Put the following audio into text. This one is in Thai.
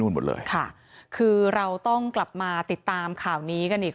หมดเลยค่ะคือเราต้องกลับมาติดตามข่าวนี้กันอีก